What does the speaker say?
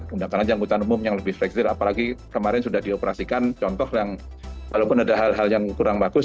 sedangkan aja angkutan umum yang lebih fleksir apalagi kemarin sudah dioperasikan contoh yang walaupun ada hal hal yang kurang bagus